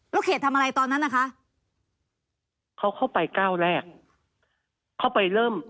แล้วเขตทำอะไรตอนนั้นนะคะเขาเข้าไปก้าวแรกเข้าไปเริ่ม